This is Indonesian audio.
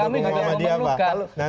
kami juga mau perlukan